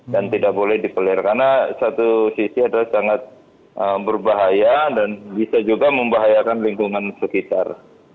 dan tidak boleh dipelihara karena satu sisi adalah sangat berbahaya dan bisa juga membahayakan lingkungan sekitar